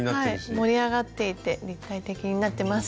盛り上がっていて立体的になってます。